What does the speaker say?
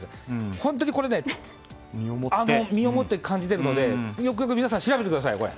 本当にこれはね身をもって感じているので皆さん、よく調べてみてください。